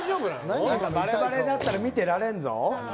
バレバレだったら見てられんぞ。